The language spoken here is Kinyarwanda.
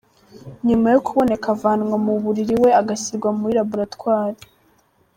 Nyuma yo kuboneka avanwa mu mubiri we agashyirwa muri laboratwari.